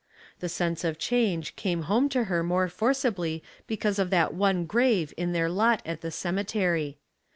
The sense of change came home to her more forcibly because of that one grave in their lot at the cemetery.